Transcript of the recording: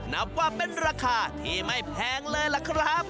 นับว่าเป็นราคาที่ไม่แพงเลยล่ะครับ